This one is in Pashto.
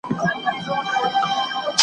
خوار په هندوستان هم خوار وي .